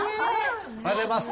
おはようございます！